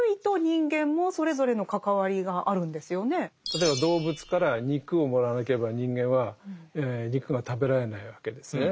例えば動物から肉をもらわなければ人間は肉が食べられないわけですね。